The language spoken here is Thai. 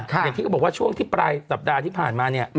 อย่างที่บอกว่าช่วงที่ปลายสัปดาห์ที่ผ่านมาเนี่ย